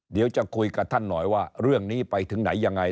เดี๋ยวจะคุยกับท่านหน่อยว่าเรื่องนี้ไปถึงไหนยังไง